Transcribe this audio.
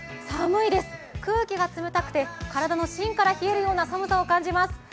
寒いです、空気が冷たくて体の芯から冷えるような寒さを感じます。